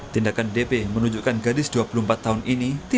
tindakan dp menunjukkan gadis dua puluh empat tahun ini